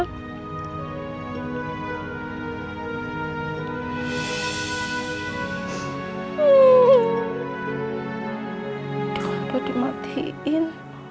udah udah dimatiin